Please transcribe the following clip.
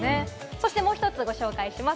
そして、もう１つご紹介します